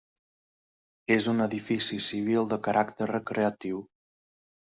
És un edifici civil de caràcter recreatiu.